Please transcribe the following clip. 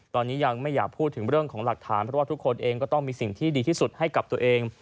ตอนนี้ยังไม่อยากพูดถึงเรื่องของหลักฐานเพราะว่าทุกคนเองก็ต้องมีสิ่งที่ดีที่สุดให้กับตัวเอง